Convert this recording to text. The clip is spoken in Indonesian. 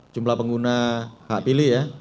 jumlah pengguna hak pilih ya